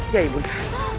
ya ibu anda